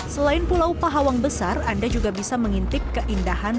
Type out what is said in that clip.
selain pulau pahawang besar anda juga bisa mengintip keindahan